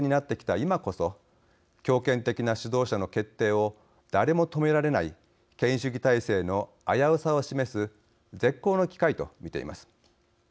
今こそ強権的な指導者の決定を誰も止められない権威主義体制の危うさを示す絶好の機会と見ています。